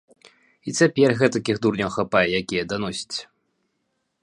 І цяпер гэтакіх дурняў хапае, якія даносяць.